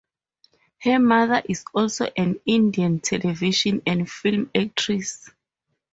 Her mother is also an Indian television and film actress.